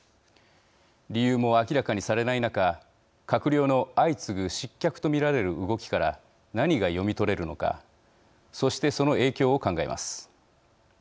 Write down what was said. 理由も明らかにされない中閣僚の相次ぐ失脚と見られる動きから何が読み取れるのかそしてその影響を考えます。